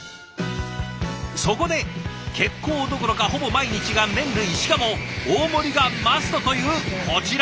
そこで結構どころかほぼ毎日が麺類しかも大盛りがマストというこちら。